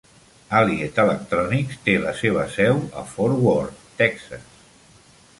Allied Electronics té la seva seu a Fort Worth, Texas.